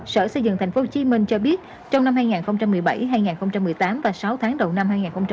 sở xây dựng tp hcm cho biết trong năm hai nghìn một mươi bảy hai nghìn một mươi tám và sáu tháng đầu năm hai nghìn một mươi chín